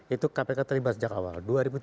itu kpk terlibat sejak awal dua ribu tiga